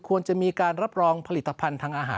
ควรจะมีการรับรองผลิตภัณฑ์ทางอาหาร